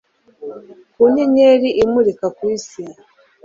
nka nyenyeri imurika ku isi